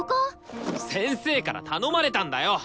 先生から頼まれたんだよ！